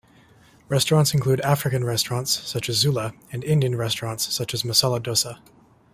Restaurants include African restaurants such as Zula, and Indian restaurants such as Masala Dosa.